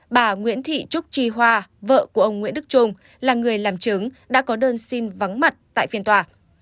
bà nguyễn thị trúc chi hoa vợ của ông nguyễn đức trung là người làm chứng đã có đơn xin vắng mặt tại phiên tòa